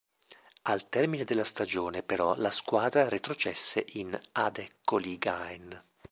Al termine della stagione, però, la squadra retrocesse in Adeccoligaen.